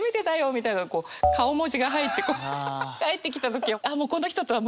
みたいなこう顔文字が入って返ってきた時はああこの人とは無理だなって。